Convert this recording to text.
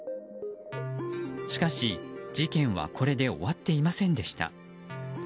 しかし、事件はこれで終わっていませんでした。